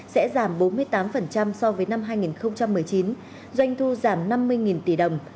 sẽ giảm bốn mươi tám so với năm hai nghìn một mươi chín doanh thu giảm năm mươi tỷ đồng